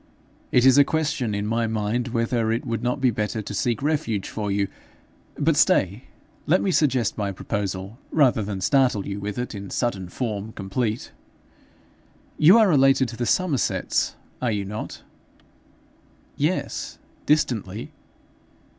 It is a question in my mind whether it would not be better to seek refuge for you . But stay; let me suggest my proposal, rather than startle you with it in sudden form complete. You are related to the Somersets, are you not?' 'Yes distantly.'